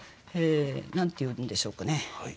何て言うんでしょうかね。